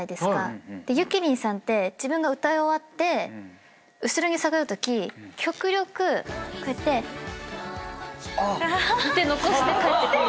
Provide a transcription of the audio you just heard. でゆきりんさんって自分が歌い終わって後ろに下がるとき極力こうやって。って残して帰ってくんです。